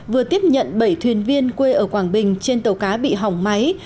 vừa tiếp nhận bảy thuyền viên quê ở quảng bình trên tàu cá bị hỏng máy